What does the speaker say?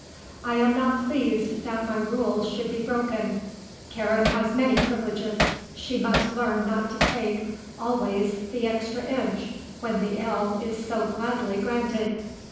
"I am not pleased that my rules should be broken. Karen has many privileges. She must learn not to take, always, the extra inch when the ell is so gladly granted."